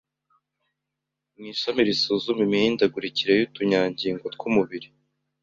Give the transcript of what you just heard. mu ishami risuzuma imihindagurikire y'utunyangingo tw'umubiri